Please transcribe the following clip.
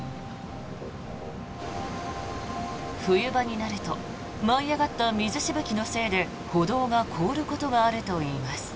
冬場になると舞い上がった水しぶきのせいで歩道が凍ることがあるといいます。